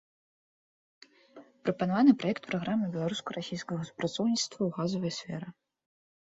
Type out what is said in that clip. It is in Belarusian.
Прапанаваны праект праграмы беларуска-расійскага супрацоўніцтва ў газавай сферы.